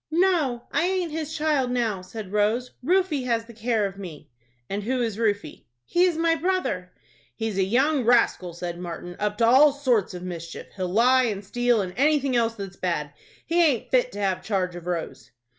"No, I aint his child now," said Rose. "Rufie has the care of me." "And who is Rufie?" "He is my brother." "He's a young rascal," said Martin, "up to all sorts of mischief. He'll lie and steal, and anything else that's bad. He aint fit to have charge of Rose."